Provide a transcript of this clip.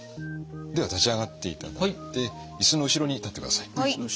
では立ち上がっていただいて椅子の後ろに立ってください。